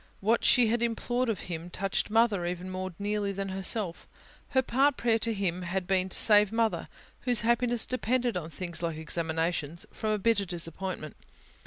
What she had implored of Him touched Mother even more nearly than herself: her part prayer to Him had been to save Mother whose happiness depended on things like examinations from a bitter disappointment.